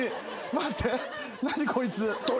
待って何こいつ。